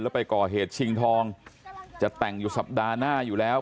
แล้วไปก่อเหตุชิงทองจะแต่งอยู่สัปดาห์หน้าอยู่แล้ว